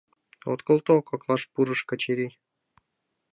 — От колто? — коклаш пурыш Качырий.